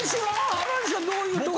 原西はどういう友達？